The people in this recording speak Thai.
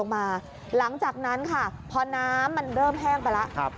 หลังจากนั้นค่ะพอน้ำมันเริ่มแห้งไปแล้ว